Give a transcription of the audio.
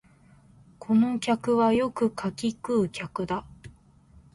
この客はよく柿食う客だ